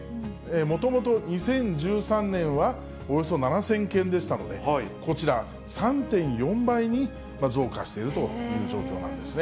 もともと２０１３年はおよそ７０００件でしたので、こちら、３．４倍に増加しているという状況なんですね。